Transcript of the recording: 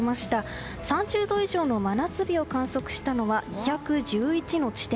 ３０度以上の真夏日を観測したのは、２１１の地点。